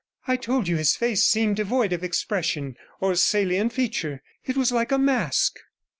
I told you his face seemed devoid of expression or salient feature. It was like a mask.'